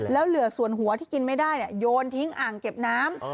แล้วเหลือส่วนหัวที่กินไม่ได้โยนทิ้งอ่างเก็บน้ำ